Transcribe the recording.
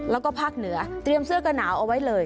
แล้วก็ภาคเหนือเตรียมเสื้อกระหนาวเอาไว้เลย